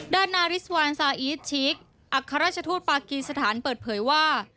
ด้านนาฤีสวณศาอิทชิคอัคคาราชทูชปากกีศสถานเปิดเผยว่า